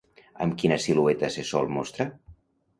Amb quina silueta se sol mostrar?